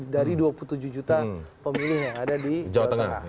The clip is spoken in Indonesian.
dari dua puluh tujuh juta pemilih yang ada di jawa tengah